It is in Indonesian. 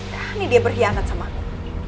gak nih dia berhianat sama aku